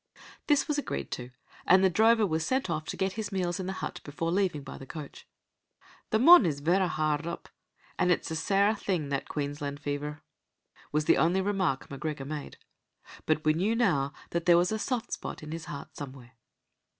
This was agreed to, and the drover was sent off to get his meals in the hut before leaving by the coach. "The mon is verra harrd up, an' it's a sair thing that Queensland fever," was the only remark M'Gregor made. But we knew now that there was a soft spot in his heart somewhere.